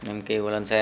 em kêu lên xe